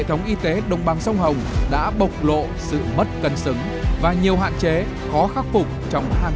thống y tế đồng bằng sông hồng đã bộc lộ sự mất cân sứng và nhiều hạn chế khó khắc phục trong hàng